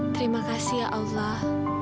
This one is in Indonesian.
terima kasih ya allah